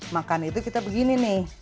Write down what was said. makan itu kita begini nih